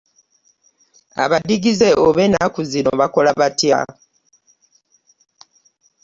Abadigize oba ennaku zino bakola batya!